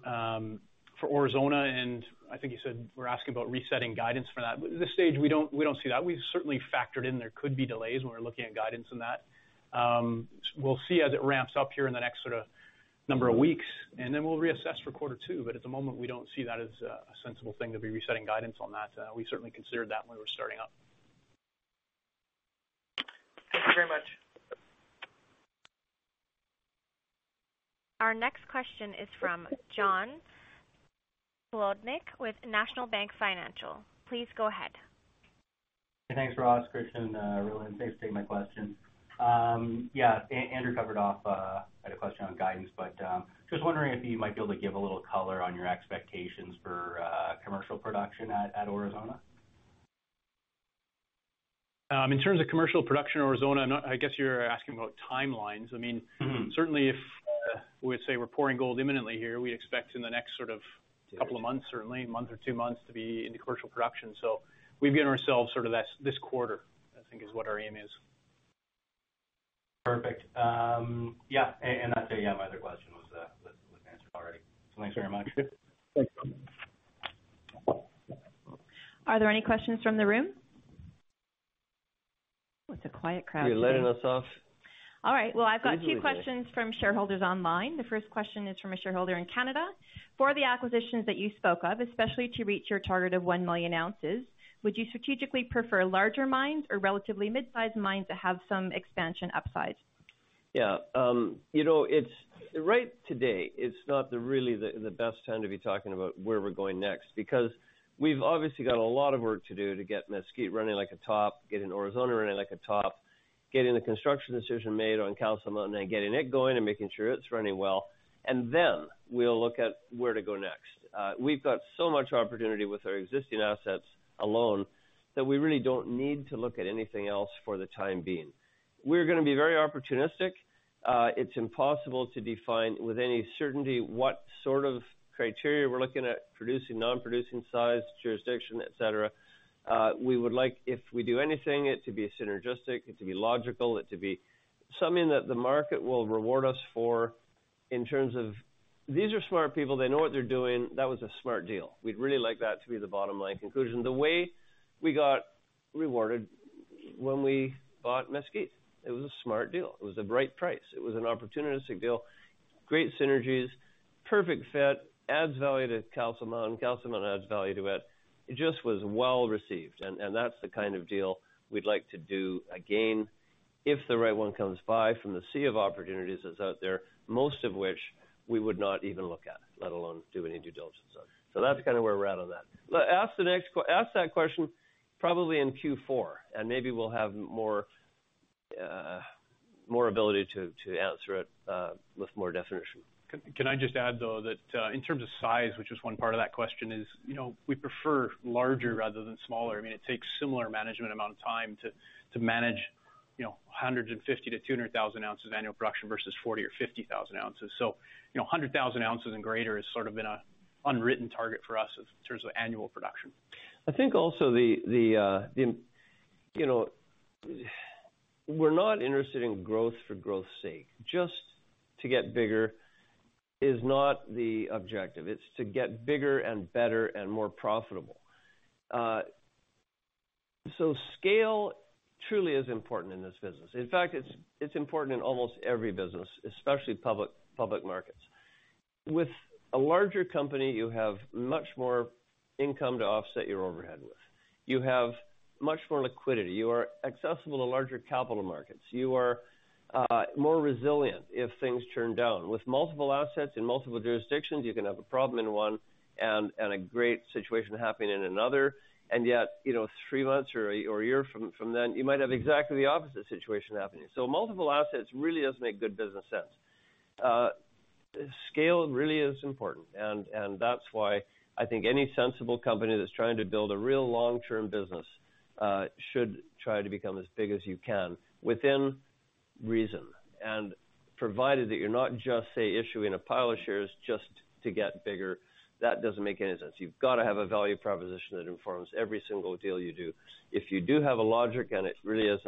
Aurizona, and I think you said were asking about resetting guidance for that. At this stage, we don't see that. We've certainly factored in there could be delays when we're looking at guidance in that. We'll see as it ramps up here in the next sort of number of weeks, and then we'll reassess for quarter 2. At the moment, we don't see that as a sensible thing to be resetting guidance on that. We certainly considered that when we were starting up. Thank you very much. Our next question is from John Chlodnik with National Bank Financial. Please go ahead. Thanks, Ross, Christian, Rhylin. Thanks for taking my question. Andrew covered off, I had a question on guidance, just wondering if you might be able to give a little color on your expectations for commercial production at Aurizona. In terms of commercial production in Aurizona, I guess you're asking about timelines. Certainly, we would say we're pouring gold imminently here, we expect in the next couple of months, certainly a month or two months, to be into commercial production. We've given ourselves this quarter, I think is what our aim is. Perfect. That's it. My other question was answered already. Thanks very much. Thanks. Are there any questions from the room? It's a quiet crowd today. You're letting us off. All right. Well, I've got two questions from shareholders online. The first question is from a shareholder in Canada. For the acquisitions that you spoke of, especially to reach your target of one million ounces, would you strategically prefer larger mines or relatively mid-size mines that have some expansion upside? Yeah. Right today, it's not really the best time to be talking about where we're going next, because we've obviously got a lot of work to do to get Mesquite running like a top, getting Aurizona running like a top, getting the construction decision made on Castle Mountain, and then getting it going and making sure it's running well, and then we'll look at where to go next. We've got so much opportunity with our existing assets alone that we really don't need to look at anything else for the time being. We're going to be very opportunistic. It's impossible to define with any certainty what sort of criteria we're looking at producing, non-producing size, jurisdiction, et cetera. We would like, if we do anything, it to be synergistic, it to be logical, it to be something that the market will reward us for in terms of, these are smart people, they know what they're doing, that was a smart deal. We'd really like that to be the bottom line conclusion. The way we got rewarded when we bought Mesquite, it was a smart deal. It was a bright price. It was an opportunistic deal, great synergies, perfect fit, adds value to Castle Mountain, Castle Mountain adds value to it. It just was well-received, and that's the kind of deal we'd like to do again, if the right one comes by from the sea of opportunities that's out there, most of which we would not even look at, let alone do any due diligence on. That's kind of where we're at on that. Ask that question probably in Q4. Maybe we'll have more ability to answer it with more definition. Can I just add, though, that in terms of size, which is one part of that question is, we prefer larger rather than smaller. It takes similar management amount of time to manage 150,000-200,000 ounces annual production versus 40,000 or 50,000 ounces. 100,000 ounces and greater has sort of been an unwritten target for us in terms of annual production. I think also, we're not interested in growth for growth's sake. Just to get bigger is not the objective. It's to get bigger and better and more profitable. Scale truly is important in this business. In fact, it's important in almost every business, especially public markets. With a larger company, you have much more income to offset your overhead with. You have much more liquidity. You are accessible to larger capital markets. You are more resilient if things turn down. With multiple assets in multiple jurisdictions, you can have a problem in one and a great situation happening in another, and yet, three months or a year from then, you might have exactly the opposite situation happening. Multiple assets really does make good business sense. Scale really is important. That's why I think any sensible company that's trying to build a real long-term business should try to become as big as you can within reason. Provided that you're not just, say, issuing a pile of shares just to get bigger, that doesn't make any sense. You've got to have a value proposition that informs every single deal you do. If you do have a logic and it really is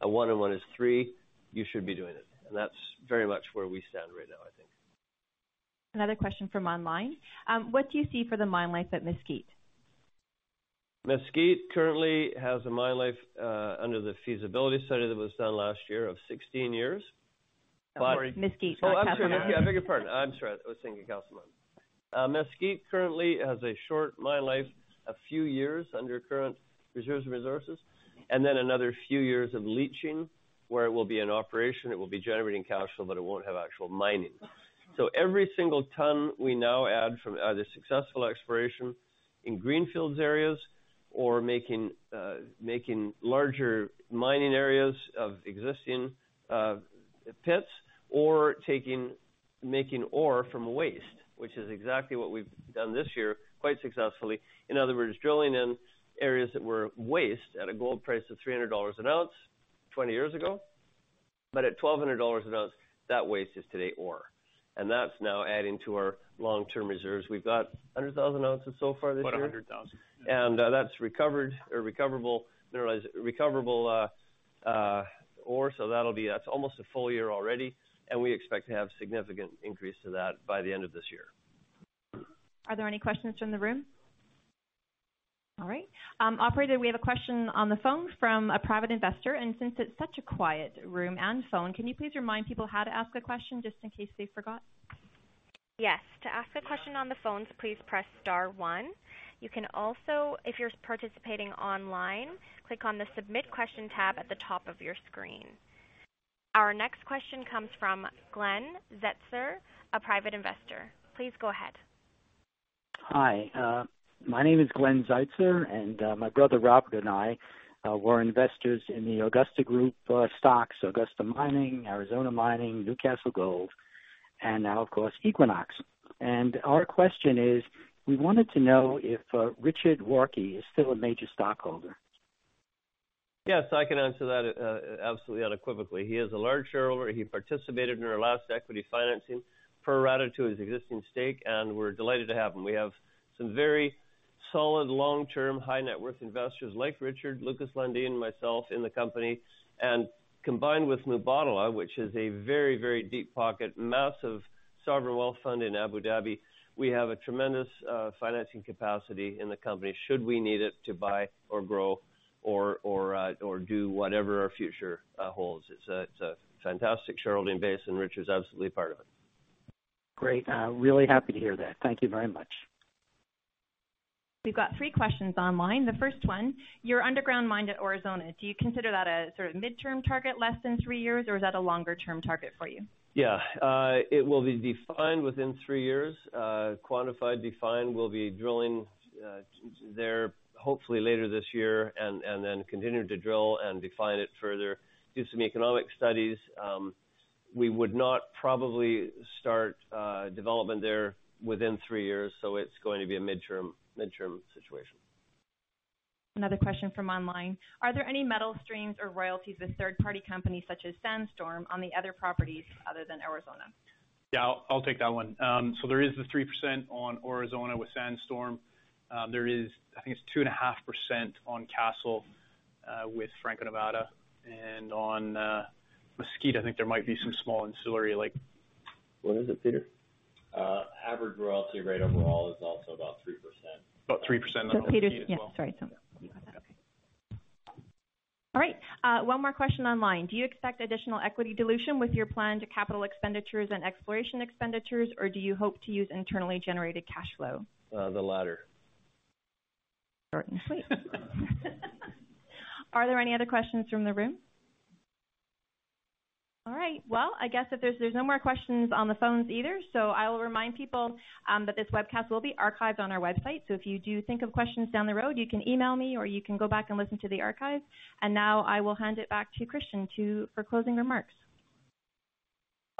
a one and one is three, you should be doing it. That's very much where we stand right now, I think. Another question from online. What do you see for the mine life at Mesquite? Mesquite currently has a mine life, under the feasibility study that was done last year, of 16 years. Sorry, Mesquite, not Castle Mountain. Oh, I'm sorry. I beg your pardon. I'm sorry. I was thinking Castle Mountain. Mesquite currently has a short mine life, a few years under current reserves of resources, and then another few years of leaching, where it will be in operation, it will be generating cash flow, but it won't have actual mining. Every single ton we now add from either successful exploration in greenfields areas or making larger mining areas of existing pits or making ore from waste, which is exactly what we've done this year quite successfully. In other words, drilling in areas that were waste at a gold price of $300 an ounce 20 years ago, but at $1,200 an ounce, that waste is today ore, and that's now adding to our long-term reserves. We've got 100,000 ounces so far this year? About 100,000. That's recoverable ore. That's almost a full year already, and we expect to have significant increase to that by the end of this year. Are there any questions from the room? All right. Operator, we have a question on the phone from a private investor, and since it's such a quiet room and phone, can you please remind people how to ask a question just in case they forgot? Yes. To ask a question on the phones, please press star one. You can also, if you're participating online, click on the Submit Question tab at the top of your screen. Our next question comes from Glenn Zeitzer, a private investor. Please go ahead. Hi. My name is Glenn Zeitzer, my brother Robert and I were investors in the Augusta Group stocks, Augusta Mining, Arizona Mining, NewCastle Gold, and now, of course, Equinox. Our question is, we wanted to know if Richard Warke is still a major stockholder. Yes, I can answer that absolutely unequivocally. He is a large shareholder. He participated in our last equity financing, pro rata-ed to his existing stake, we're delighted to have him. We have some very solid long-term high-net-worth investors like Richard, Lukas Lundin, myself in the company, combined with Mubadala, which is a very, very deep pocket, massive sovereign wealth fund in Abu Dhabi, we have a tremendous financing capacity in the company should we need it to buy or grow or do whatever our future holds. It's a fantastic shareholding base, Richard's absolutely part of it. Great. Really happy to hear that. Thank you very much. We've got three questions online. The first one, your underground mine at Aurizona, do you consider that a sort of mid-term target, less than three years, or is that a longer-term target for you? Yeah. It will be defined within three years, quantified, defined. We'll be drilling there hopefully later this year and then continue to drill and define it further, do some economic studies. We would not probably start development there within three years, so it's going to be a mid-term situation. Another question from online. Are there any metal streams or royalties with third-party companies such as Sandstorm on the other properties other than Aurizona? Yeah, I'll take that one. There is the 3% on Aurizona with Sandstorm. There is, I think, it's 2.5% on Castle with Franco-Nevada. On Mesquite, I think there might be some small ancillary, like What is it, Peter? Average royalty rate overall is also about 3%. About 3% on Mesquite. Peter's, yeah, sorry. Okay. All right, one more question online. Do you expect additional equity dilution with your plan to capital expenditures and exploration expenditures, or do you hope to use internally generated cash flow? The latter. Short and sweet. Are there any other questions from the room? All right. Well, I guess that there's no more questions on the phones either, I will remind people that this webcast will be archived on our website. If you do think of questions down the road, you can email me, or you can go back and listen to the archive. Now I will hand it back to Christian for closing remarks.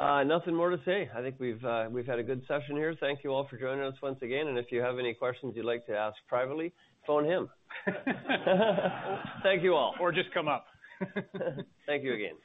Nothing more to say. I think we've had a good session here. Thank you all for joining us once again, and if you have any questions you'd like to ask privately, phone him. Thank you all. Just come up. Thank you again.